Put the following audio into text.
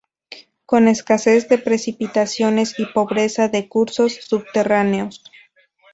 Con escasez de precipitaciones y pobreza de cursos subterráneos.